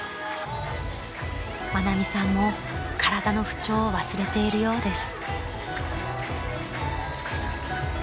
［愛美さんも体の不調を忘れているようです］